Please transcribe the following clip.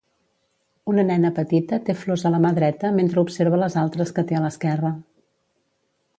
Una nena petita té flors a la mà dreta mentre observa les altres que té a l'esquerra.